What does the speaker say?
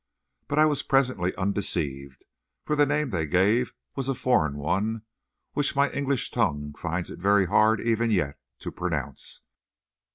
But I was presently undeceived, for the name they gave was a foreign one, which my English tongue finds it very hard even yet to pronounce.